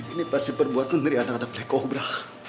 ini pasti berbuat ngeri anak anak black cobra